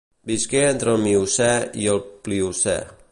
Visqué entre el Miocè i el Pliocè.